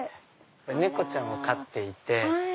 猫ちゃんを飼っていて。